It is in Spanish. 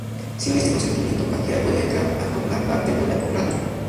Sin este consentimiento cualquiera podía entrar a formar parte de la Cofradía.